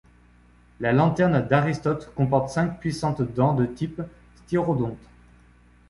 La lanterne d'Aristote comporte cinq puissantes dents de type stirodonte.